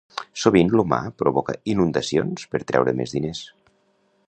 Sovint l'humà provoca inundacions per treure més diners